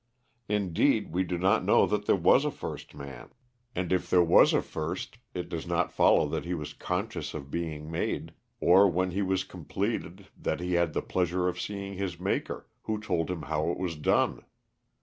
Indeed, we do not know that there was a first man! And if there was a first, it does not follow that he was conscious of being made, or when he was completed that he had the pleasure of seeing his maker, who told him how it was done.